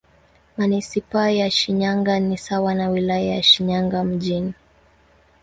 Manisipaa ya Shinyanga ni sawa na Wilaya ya Shinyanga Mjini.